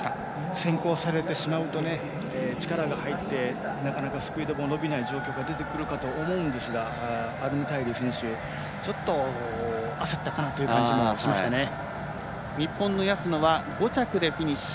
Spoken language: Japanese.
先行されてしまうと力が入って、なかなかスピードも伸びない状況が出てくるかと思うんですがアルムタイリ選手ちょっと焦ったかな日本の安野は５着でフィニッシュ。